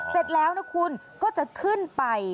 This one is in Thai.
เสร็จแล้วนะคุณก็จะขึ้นไป